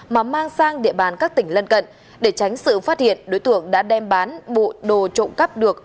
mà mang sang địa bàn các tỉnh lân cận để tránh sự phát hiện đối tượng đã đem bán bộ đồ trộm cắp được